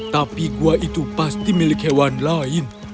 tapi gua itu pasti milik hewan lain